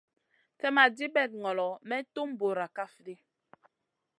Slèmma dibèt ŋolo may tum bura kaf ɗi.